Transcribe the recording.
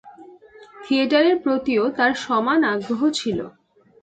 থিয়েটারের প্রতিও তার সমান আগ্রহ ছিল।